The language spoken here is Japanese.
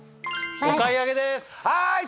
お買い上げですはい